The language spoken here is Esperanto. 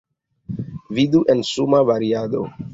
Vidu en suna variado.